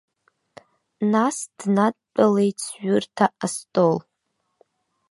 Нас снадтәалеит сҩырҭа астол.